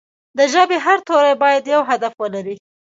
د ژبې هر توری باید یو هدف ولري.